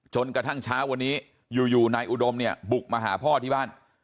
จนกระทั่งเช้าวันนี้อยู่นายอุดมเนี่ยบุกมาหาพ่อที่บ้าน